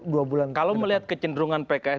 dua bulan ke depan kalau melihat kecenderungan pks